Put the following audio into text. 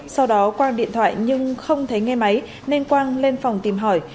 sau đó quang điện thoại nhưng không thấy nghe máy nên quang lên phòng tìm hỏi